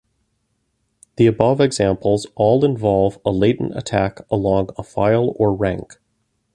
The above examples all involve a latent attack along a file or rank.